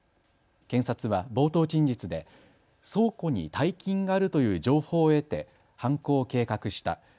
検察は冒頭陳述で倉庫に大金があるという情報を得て犯行を計画した。